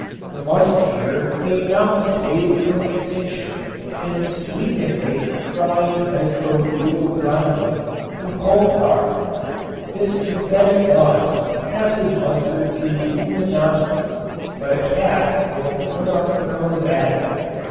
The musk deer may now be saved from extinction since we can make tri nitro butyl xylene from coal tar. This synthetic musk passes muster to human nostrils, but a cat will turn up her nose at it.